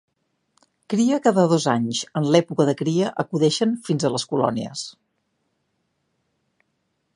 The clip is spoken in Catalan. Cria cada dos anys, En l'època de cria acudeixen fins a les colònies.